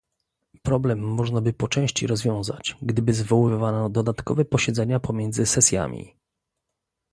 Problem można by po części rozwiązać, gdyby zwoływano dodatkowe posiedzenia pomiędzy sesjami